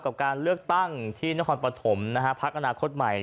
กับการเลือกตั้งที่นครปฐมนะฮะพักอนาคตใหม่